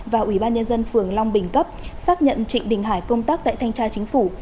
và ủy ban nhân dân phường long bình cấp xác nhận trịnh đình hải công tác tại thanh tra chính phủ